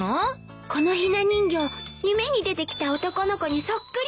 このひな人形夢に出てきた男の子にそっくりなの。